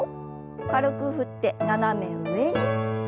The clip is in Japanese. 軽く振って斜め上に。